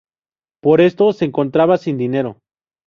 Por esto, se encontraba sin dinero.